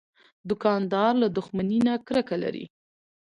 دوکاندار له دښمنۍ نه کرکه لري.